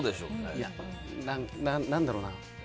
いや何だろうな。